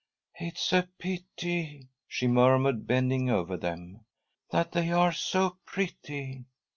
" It is a pity," she murmured, bending over them, " that they are so pretty."